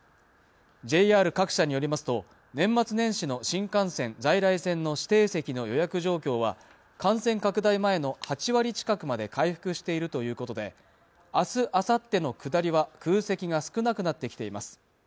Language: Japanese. ＪＲ各社によりますと年末年始の新幹線在来線の指定席の予約状況は感染拡大前の８割近くまで回復しているということで明日あさっての下りは空席が少なくなってきています